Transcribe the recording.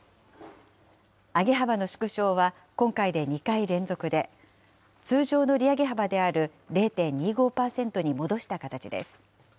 上げ幅の縮小は今回で２回連続で、通常の利上げ幅である０．２５％に戻した形です。